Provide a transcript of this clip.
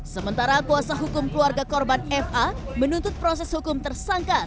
sementara kuasa hukum keluarga korban fa menuntut proses hukum tersangka